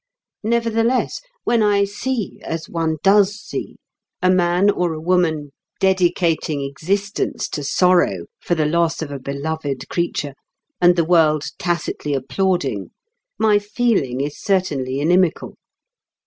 Nevertheless, when I see, as one does see, a man or a woman dedicating existence to sorrow for the loss of a beloved creature, and the world tacitly applauding, my feeling is certainly inimical.